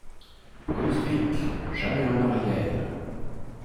Brunswick! jamais en arrière !